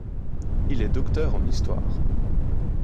Il est Docteur en histoire.